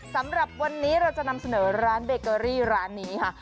สำหรับวันนี้เราจะนำเสนอร้านเบเกอรี่ร้านนี้ค่ะ